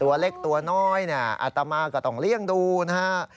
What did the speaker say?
ตัวเล็กตัวน้อยอาตมาก็ต้องเลี่ยงดูนะ